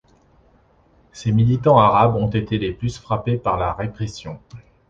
Ses militants arabes ont été les plus frappés par la répression.